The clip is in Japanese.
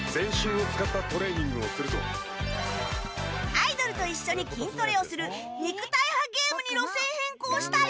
アイドルと一緒に筋トレをする肉体派ゲームに路線変更したり